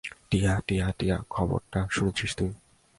টিয়া, টিয়া, টিয়া, খবরটা শুনেছিস তুই?